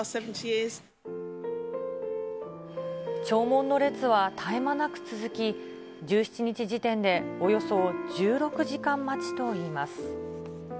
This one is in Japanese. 弔問の列は絶え間なく続き、１７日時点でおよそ１６時間待ちといいます。